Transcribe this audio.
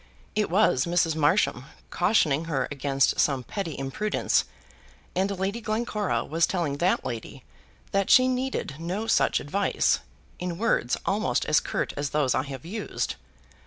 It was Mrs. Marsham cautioning her against some petty imprudence, and Lady Glencora was telling that lady that she needed no such advice, in words almost as curt as those I have used.